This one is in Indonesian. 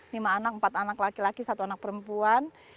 lima anak empat anak laki laki satu anak perempuan